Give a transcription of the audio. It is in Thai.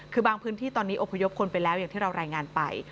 คือบางพื้นที่ตอนนี้อพยพคนไปแล้วอย่างที่เรารายงานไป